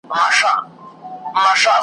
د دوستانو له بېلتون څخه کړېږې.